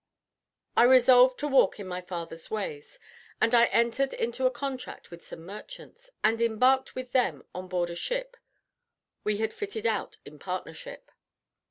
I resolved to walk in my father's ways, and I entered into a contract with some merchants, and embarked with them on board a ship we had fitted out in partnership.